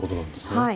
はい。